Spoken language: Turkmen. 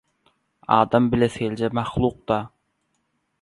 Adam bilesigeliji mahluk-da.